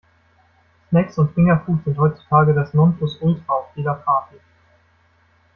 Snacks und Fingerfood sind heutzutage das Nonplusultra auf jeder Party.